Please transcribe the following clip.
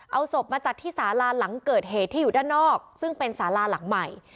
เอาศพมาจัดที่สาลาหลังเกิดเหตุที่อยู่ด้านนอกซึ่งเป็นสาราหลังใหม่